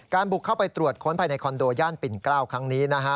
บุกเข้าไปตรวจค้นภายในคอนโดย่านปิ่นเกล้าครั้งนี้นะฮะ